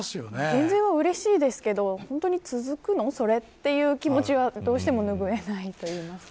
減税はうれしいですけど本当に続くのそれという気持ちはどうしても拭えないといいますか。